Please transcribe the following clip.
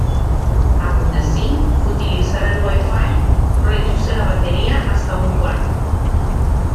Aun así, utilizar el WiFi reduce la batería hasta un cuarto.